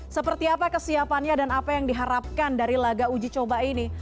seperti apa kesiapannya dan apa yang diharapkan dari laga uji coba ini